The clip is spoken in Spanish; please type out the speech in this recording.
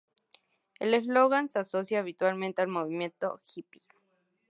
El eslogan se asocia habitualmente al movimiento "hippie".